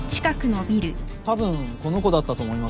たぶんこの子だったと思います。